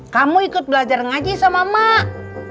kamu ikut belajar ngaji sama mak